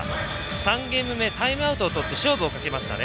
３ゲーム目タイムアウトをとって勝負をかけましたね。